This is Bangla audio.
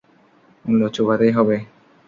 মূল্য চোকাতেই হবে!